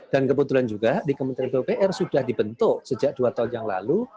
dan kebetulan juga di kementerian pupr sudah dibentuk sejak dua tahun yang lalu